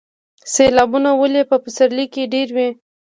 سیلابونه ولې په پسرلي کې ډیر وي؟